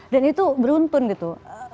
dan itu beruntun gitu